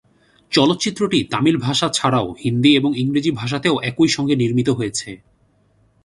চলচ্চিত্রটি তামিল ভাষা ছাড়াও হিন্দি এবং ইংরেজি ভাষাতেও একই সঙ্গে নির্মিত হয়েছে।